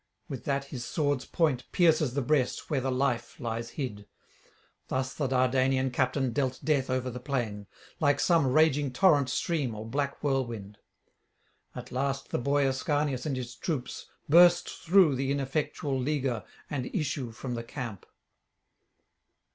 With that his sword's point pierces the breast where the life lies hid. Thus the Dardanian captain dealt death over the plain, like some raging torrent stream or black whirlwind. At last the boy Ascanius and his troops burst through the ineffectual leaguer and issue from the camp.